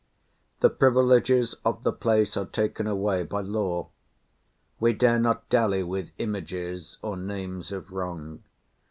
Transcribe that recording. The privileges of the place are taken away by law. We dare not dally with images, or names, of wrong.